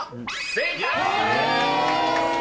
正解。